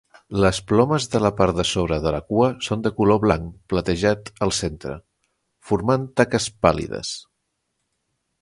Les plomes de la part de sobre de la cua són de color blanc platejat al centre, formant taques pàl·lides.